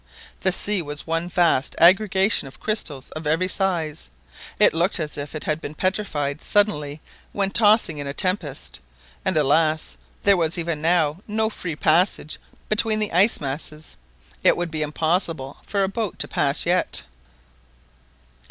The sea was one vast aggregation of crystals of every size, it looked as if it had been petrified suddenly when tossing in a tempest, and, alas, there was even now no free passage between the ice masses—it would be impossible for a boat to pass yet.